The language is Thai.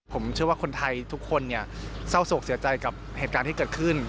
ผมเชื่อว่าคนไทยทุกคนเนี่ยเศร้าโศกเสียใจกับเหตุการณ์ที่เกิดขึ้น